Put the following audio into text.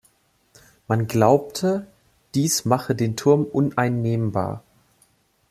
Man glaubte, dies mache den Turm uneinnehmbar.